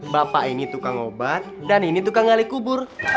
bapak ini tukang obat dan ini tukang ngali kubur